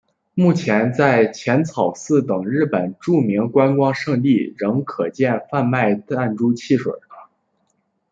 目前在浅草寺等日本著名观光胜地仍可见到贩卖弹珠汽水。